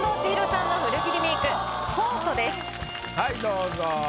はいどうぞ。